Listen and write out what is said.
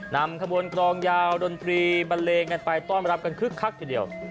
นำขบวนกรองยาวดนตรีบันเลงกันไปต้อนรับกันคึกคักทีเดียว